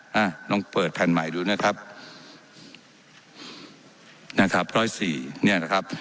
อ่ะลองเปิดแผ่นใหม่ดูนะครับนะครับร้อยสี่เนี่ยนะครับ